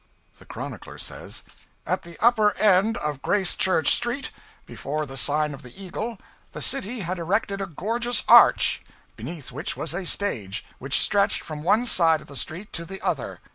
The chronicler says, 'At the upper end of Gracechurch Street, before the sign of the Eagle, the city had erected a gorgeous arch, beneath which was a stage, which stretched from one side of the street to the other.